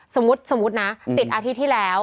สมมุตินะติดอาทิตย์ที่แล้ว